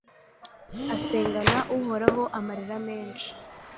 asengana uhoraho amarira menshi